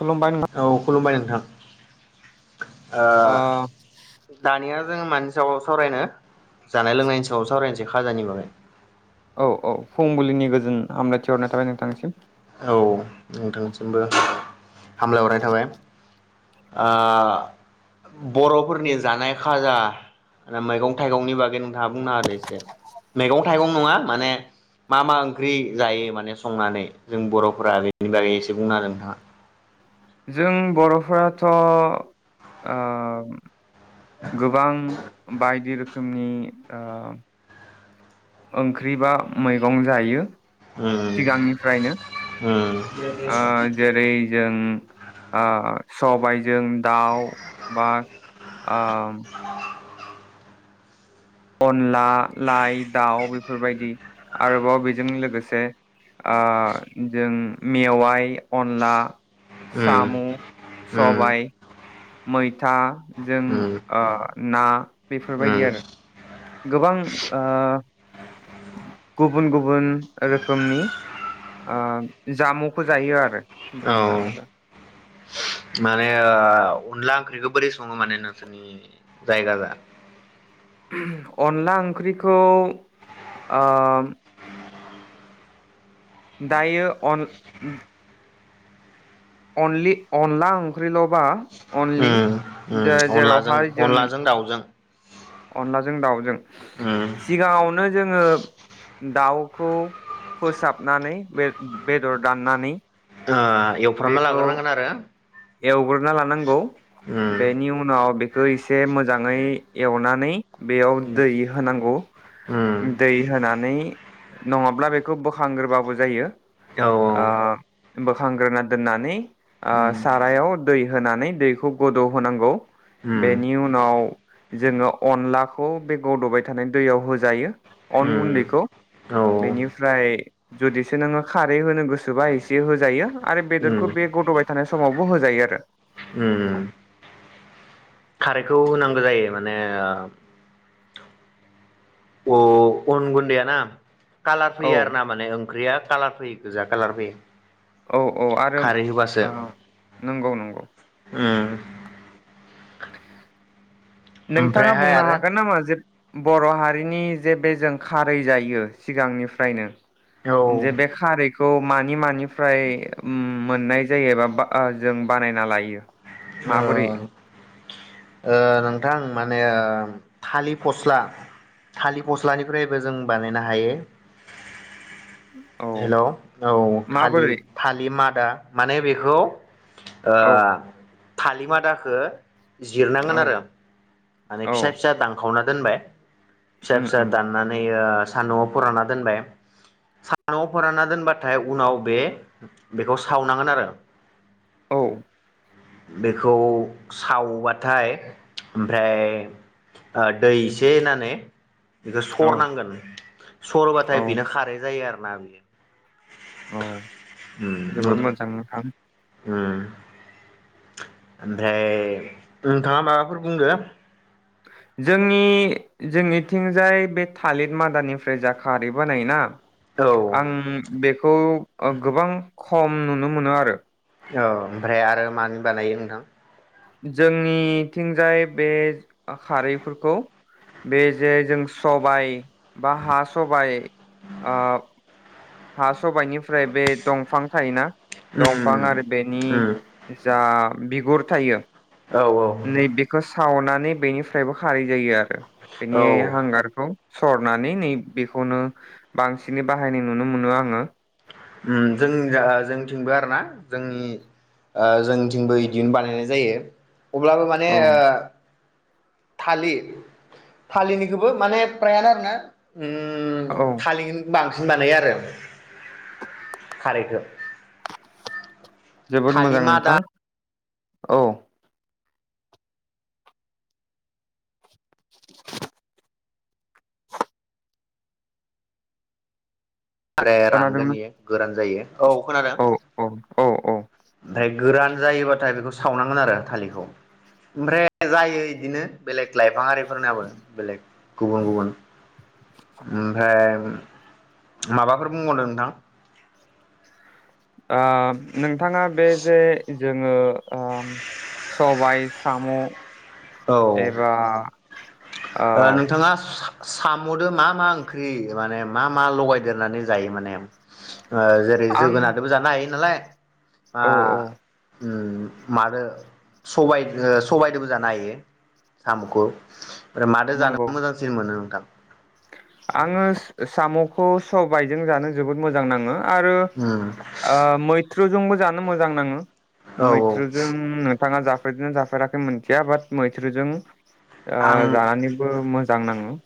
खुलुमबाय नोंथां औ खुलुमबाय नों [unintelligible] ओ दानिया जोङो मानि सायाव सावरायनो जानाय लोंनायनि सायाव सावरायनसै खाजानि बागै औ औ फुंबिलिनि गोजोन हामलायथि हरनाय थाबाय नोंथांनिसिम औ नोंथांसिमबो हामलायहरनाय थाबाय आ बरफोरनि जानाय खाजा मैगं थाइगंनि बागै नोंथाङा बुंना होदो एसे मैगं थाइगं नङा माने मा मा ओंख्रि जायो माने संनानै जों बरफोरा बेनि बागै एसे बुंना होगोन नोंथाङा जों बरफोराथ आ गोबां बायदि रो खोमनि ओ ओंख्रिबा मैगं जायो सिगांनिफ्रायनो उम ओ जेरै जों आ सबाइ जों दाउ बा आ अनला लाइ दाउ बेफोरबायदि आरोबाव बेजों लोगोसे आ जों मेवाइ अनला उम उम सामु सबाइ उम मैथा जों उम आ ना बेफोरबायदि उम आरो गोबां ओ गुबुन गुबुन रोखोमनि ओ जामुंखौ जायो आरो बुंनो औ थाङोब्ला माने ओ अनला ओंख्रिखौ बोरै सङो माने नोंसोरनि जायगाजों [unintelligible] अनला ओंख्रिखौ ओ दायो अन अनलि अनला ओंख्रिलबा अनलि उम उम अनलाजों जेरावहाय जों अनलाजों दाउजों अनलाजों दाउजों उम सिगाङावनो जोङो दाउखौ फोसाबनानै बे-बेदर दाननानै ओ एवफ्रामना बेखौ लाग्रोनांगोन आरो एवग्रोना लानांगौ उम बेनि उनाव बे बेखो एसे मोजाङै एवनानै बेयाव दै होनांगौ उम दै होनानै नङाब्ला बेखौ बोखांग्रोबाबो जायो औ औ ओ बोखांग्रोना दोननानै ओ उम सारायाव दै होनानै दैखौ गोदौ होनांगौ उम बेनि उनाव जोङो अनलाखौ बे गदबाय थानाय दैयाव होजायो अन उम गुन्दैखौ औ बेनिफ्राय जुदिसो नोङो खारै होनो गोसोबा एसे होजायो आरो बेदरखौ उम बे गदौबाय थानाय समावबो होजायो आरो उम खारैखौ होनांगौ जायो माने ओ अ अन गुन्डिया ना कालार औ फैयो आर ना माने ओंख्रिया कालार फैयो गोजा कलार फैयो औ औ आरो खारै होबासो ओ नंगौ नंगौ उम [inaudible] नोंथाङा ओमफ्रायहाय बुंनो हागोन आरो नामा जे बर' हारिनि जे बे जों खारै जायो सिगांनिफ्रायनो औ जे बे खारैखौ मानि मानिफ्राय मोननाय जायोबा-बा जों बानायना लायो माबोरै ओ ओ नोंथां माने ओ थालिर फस्ला थालिर फस्लानिफ्रायबो जों बानायनो हायो हेल औ माबोरै थालि-थालि मा दा माने बेखौ ओ औ थालि मादाखो जिरनांगोन औ आरो माने औ फिसा फिसा दांखावना दोनबाय फिसा उम फिसा उम दाननानै ओ सानदुंआव फोरानना दोनबाय सानदुंआव फोरानना दोनबाथाय उनाव बे बेखौ सावनांगोन आरो औ बेखौ सावबाथाय ओमफ्राय ओ दै एसे होननानै बेखौ औ सरनांगोन सरबाथाय औ बिनो खारै जायो आरो मा बेयो औ जोबोद मोजां नोंथां उम ओमफ्राय नोंथाङा माबाफोर बुंदो जोंनि जोंनिथिंजाय बे थालिर मादानिफ्राय जा खारै बानायोना आं औ बेखौ ओ - गोबां खम नुनो मोनो आरो औ- ओमफ्राय आरो मानि बानायो नोंथां जोंनिथिंजाय बे अ खारैफोरखौ बे जे जों सबाय बा हा सबाय ओ हा सबायनिफ्राय बे दंफां थायोना दंफां उम आरो बेनि उम जा बिगुर थायो औ - औ नै बेखौ सावनानै बेनिफ्रायबो खारै जायो आरो बेनि औ हांगारखौ सरनानै नै बेखौनो बांसिनै बाहायनाय नुनो मोनो आङो ओम - जों- जा जोंनिथिंबो आरोना जोंनि- ओ - जोंनिथिंबो इदिनो बानायनाय जायो अब्लाबो माने औ -ओ थालिर थालिरनिखोबो माने प्रायानो आरो ना औ ओम थालिनो बां हुनानै आरो खारैखो जोबोद मोजां नोंथां औ [inaudible] आरोे रानगोन खोनादोंना इयो गोरान जायो औ - खोनादों औ औ औ -औ ओमफ्राय गोरान जायोबाथाय बेखौ सावनांगोन आरो थालिरखौ ओमफ्राय जायो इदिनो बेलेग लाइफां आरिबो फोरनाबो बेलेग गुबुन - गुबुन ओमफ्राय माबाफोर बुंबावनो नोंथां ओ - नोंथाङा बे जे जोङो ओम- सबाय साम औ एबा ओ - नोंथाङा सामदो मा - मा ओंख्रि माने मा- मा लगायदेरनानै जायो माने ओ - जेरै आं जोगोनाददोबो जानो हायो नालाय मा औ औ ओम - मादो सबाय-ओ - सबायदोबो जानो हायो सामखो ओमफ्राय मादो जानो नंगौ मोजांसिन मोनो नोंथां आङो स-स- सामखौ सबायजों जानो जोबोद मोजां नाङो आरो उम ओ- मैथ-। जानो मोजां नाङो औ मैथ्रुजों बिथाङा जाफेरदोंनो जाफेराखै मोनथिया बाट मैथ्रुजों ओ आं जानानैबो मोजां नाङो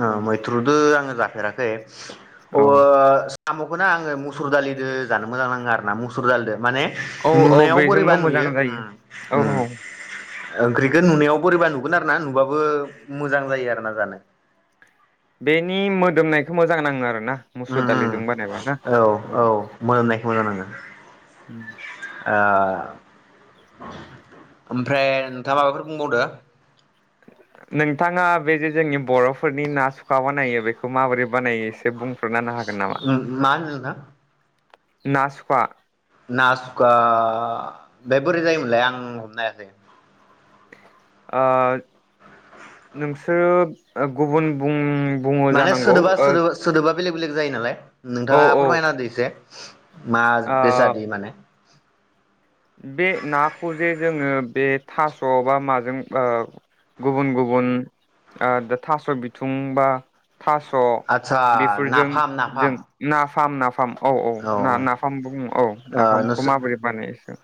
हा मैथ्रुदो आङो जाफेराखै अ औ साम बेखौ ना आङो मुसुर दालिद जानो मोजां नाङो आर ना मुसुर दालिदो माने औ औ नुनायाव बोरैबा बेजोंबो मोजां नुयो जायो ओम औ उम औ ओंख्रिखौ नुनाय बोरैबा नुगन आरो ना नुबाबो मोजां जायो आरोना जानो बेनि मोदोमनायखौ मोजां नाङो आरो ना मुसुर उम उम दालिजों बानायबा ना औ औ मोनामनायखौ मोजां नाङो उम ओ ओमफ्राय नोंथाङा माबाफोर बुंबावदो नोंथाङा बे जे जोंनि बरफोरनि ना सुखा बानायो बेखौ माबोरै बानायो एसे बुं उम मा होनदों‌ नोंथां ना सुखा ना सुखा बे बोरै जायोमोनलाय आं हमनो हायाखै ओ नोंसोरो गुबुन बुं बुङो माने जानांगौ सोदोबा ओ सोदोबा बेलेग बेलेग जायो नालाय औ नोंथाङा फोरमायना होदो एसे मा ओ बेसाद ए माने बे नाखौ जे जोङो बे थास' बा माजों ओ गुबुन गुबुन ओ थास' बिथुं बा थास आदसा बेफोरजों नाफाम नाफाम जों ना फाम नाफाम औ औ ना नाफामबो बुङो औ नाफामखौ नोंसोर माबोरै बानायोसो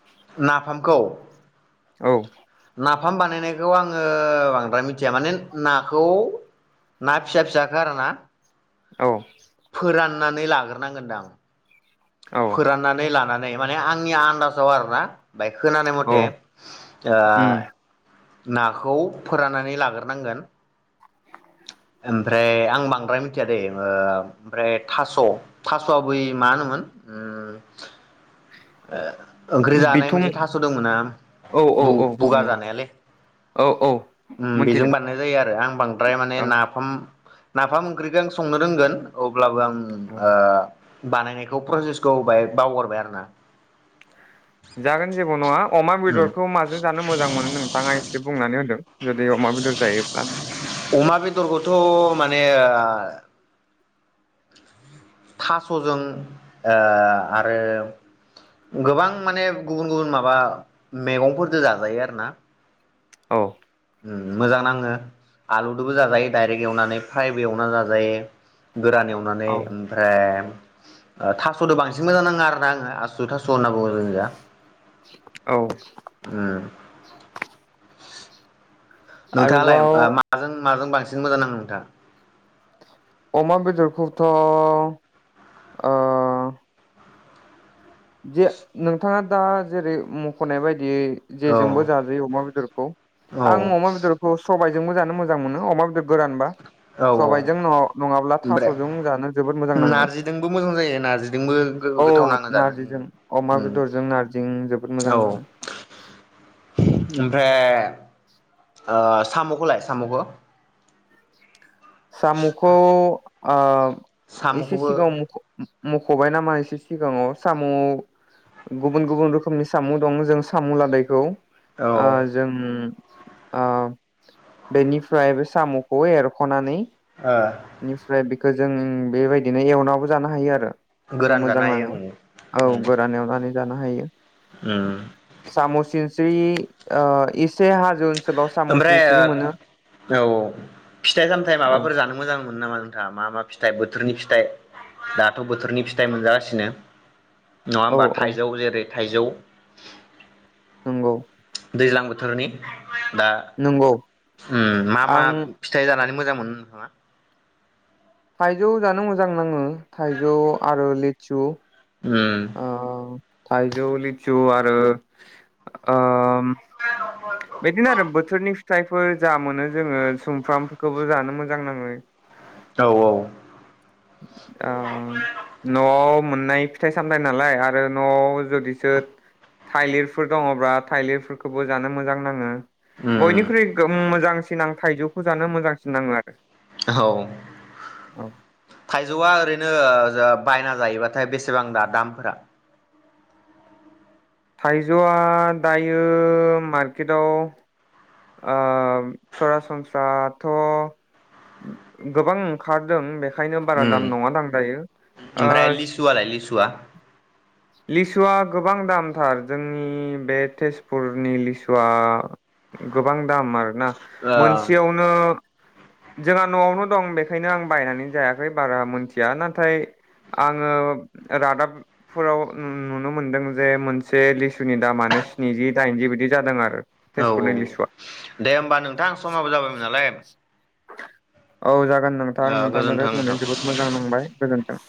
नाफामखौ औ नाफाम बानायनायखौ आङो बांद्राय मिथिया माने नाखौ ना फिसा फिसाखो आरोना औ सुनानै लाग्रोनांगोनदां औ फोराननानै लानानै माने आंनि आन्दाजाव आरो ना बाय खोनानाय औ मथे ओ उम नाखौ फोराननानै लाग्रोनांगोन ओमफ्राय आं बांद्राय मिथिया दे ओ ओमफ्राय थास थासआ बै मा होनोमोन उम। ओ ओंख्रि जानाय बिथुं मोनसे थास दंमोन ना औ औ औ बु-बुगा नंगौ जानायालाय औ औ बेजों मोनथिदों बानायनाय जायो आरो आं बांद्राय माने औ नाफाम नाफाम ओंख्रिखौ आंनो रोंगोन औ ओमबाबो आं औ ओ- बानायनायखौ प्रसेसखौ बांहाय बावगरबाय आरो ना जागोन जेबो नङा अमा उम बेदरखौ माजों जानो मोजां मोनो नोंथाङा एसे बुंनानै होदों। गोदो अमा बेदर जायोब्ला अमा बेदरखौथ माने ओ थासजों ओ आरो गोबां माने गुबुन गुबुन माबा मैगंफोरजों जाजायो आरो ना। औ उम मोजां नाङो आलुदोबो जाजायो दडाइरेक्ट एवनानै फ्राइबो एवनानै जाजायो। गोरान एवनानै औ ओमफ्राय ओ थासदो बांसिन मोजां नाङा आरोना आङो आसु थास होनना बुङो जोंनिजा। औ [unintelligible] नोंथाङालाय आरोबाव मा [inaudible] जों माजों बांसिन मोजां नाङो नोंथां अमा बेदरखौथ' अ- जे नों थाङा दा जेरै मखनाय बायदियै औ जेजोंबो जाजायो अमा बेदरखौ औ आं अमा बेदरखौ सबाय जोंबो जानो मोजां मोनो अमा बेदर गोरानबा। औ औ सबायजों नङाब्ला ओमफ्राय थास'जों जानो जोबोद मोजां नाङो नारजिदोंबो मोजां जायो नार्जिजोंबो गो-गोथाव नाङो। जानो नार्जिजों अमा उम बेदरजों नार्जिं जोबोद मोजां औ नाङो। [unintelligible] ओमफ्राय ओ सामखौलाय सामखौ सामुखौ ओ एसे ए साम'खौबो सिगाव मख [inaudible] ओब मखबाय नामा एसे सिगाङाव साम' गुबुन गुबुन रोखोमनि साम दं जों साम लादायखौ औ आ ओ जों ओ बेनिफ्राय बे सामखौ एरखनानै नै [unintelligible] खौ जों बेबायदिनो एवनाबो जानो हायो आरो बे गोरान मोजां जानो हायो नाङो ओं औ उम गोरान एवनानै जानो हायो उम सामसिस थ्रि अ इस्ट ओमफ्रायो औ फिथाइ सामथाइ औ माबाफोर जानो मोजां मोनो नामा नों दा मा मा फिथाइ बोथोरनि फिथाइ दाथ' बोथोरनि फिथाइ मोनजागासिनो नङा औ होमबा औ थाइजौ जेरै थाइजौ नंगौ दैज्लां बोथोरनि दा नंगौ उम मा मा आं फिथाइ जानानै मोजां मोनो नोंथाङा थाइजौ जानो मोजां नाङो थाइजौ आरो लेचु उम थाइजौ लिचु आरो ओ ओम बेदिनो आरो बोथोरनि थायफोर जा मोनो जोङो सुमफ्रामखोबो जानो मोजां मोजां नाङो औ आम न'आव मोननाय फिथाइ सामथायाइ नालाय आरो न'आव जुदिसो थाइलिरफोर दङब्लाा थाइलिरफोरखौबो जानो मोजां नाङो उम बयनिख्रुइ गोममोजां फिनां थाइजौखौ जानो मोजांसिन नाङो आरो औ औ थाइजौआ ओरैनो ओजोब बायना जायोबाथाय बेसेबां दा दामफोरा थाइजौआ दायो मारकेदाव ओ सरासनस्राथ' गोबां ओंखारदों बे ओंखायनो बारा उम दाम नङा दां दायो ओ ओमफ्राय लिसुआलाय लिसुआ लिसुआ गोबां दामथार जोंनि बे तेजपुरनि लिसुआ गोबां दाम आरोना औ मोनसेयावनो जोंहा न'आवनो दं बेखायनो आं बायनानै जायाखै बारा मोनथिया नाथाय आङो रादाबफोराव नुनो मोनदों जे मोनसे लिसुनि दामानो स्निजि दाइनजि बिदि जादों आरो तेज औ औ दे होमबा नोंथां समाबो जाबायमोन नालाय औ जाग नोंथां ओ नोंथांजों गोजोन्थों नोंथां। रायज्लायनानै जोबोद मोजां नांबाय गोजोनथों।